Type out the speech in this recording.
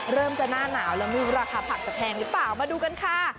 เริ่มจะหน้าหนาวแล้วไม่รู้ราคาผักจะแพงหรือเปล่ามาดูกันค่ะ